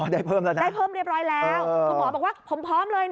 ได้เพิ่มแล้วนะได้เพิ่มเรียบร้อยแล้วคุณหมอบอกว่าผมพร้อมเลยนะ